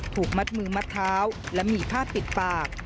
ถูกมัดมือมัดเท้าและมีผ้าปิดปาก